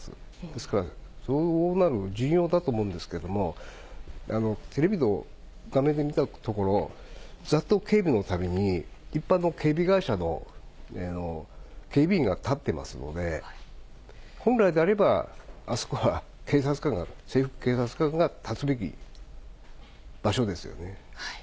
ですから、相応なる陣容だと思うけれども、テレビの画面で見たところ、ざっと警備のために一般の警備会社の警備員が立ってますので、本来であれば、あそこは警察官が、制服警察官が立つべき場所ですよね。